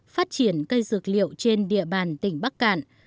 phát triển cây dược liệu trên địa bàn tỉnh bắc cạn